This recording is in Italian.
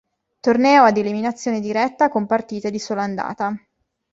Torneo ad eliminazione diretta con partite di sola andata.